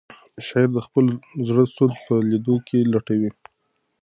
شاعر د خپل زړه سود په لیدو کې لټوي.